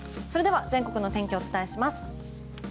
それでは全国の天気をお伝えします。